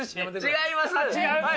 違います。